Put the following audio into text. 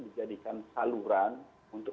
menjadi saluran untuk